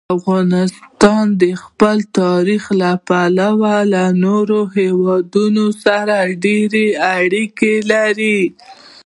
افغانستان د خپل تاریخ له پلوه له نورو هېوادونو سره ډېرې اړیکې لري.